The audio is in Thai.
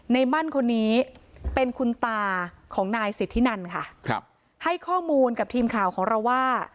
ในมั่นคนนี้เป็นคุณตาของนายสิทธินันค่ะครับให้ข้อมูลกับทีมข่าวของเราว่า